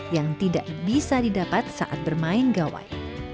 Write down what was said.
yang tidak bisa didapat saat bermain gawai